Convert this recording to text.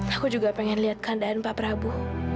aku juga pengen lihat keadaan pak prabu